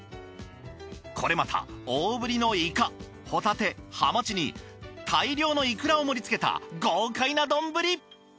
これまた大ぶりのイカホタテハマチに大量のイクラを盛り付けた豪快な丼！